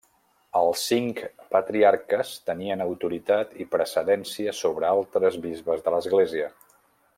Els cinc patriarques tenien autoritat i precedència sobre altres bisbes de l'Església.